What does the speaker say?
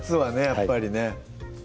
やっぱりね